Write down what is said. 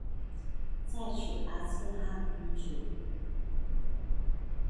再娶阿剌罕公主。